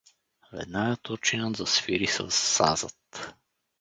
Веднага турчинът засвири със сазът.